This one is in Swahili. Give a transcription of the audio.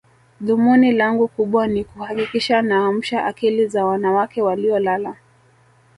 Dhumuni langu kubwa ni kuhakikisha naamsha akili za wanawake waliolala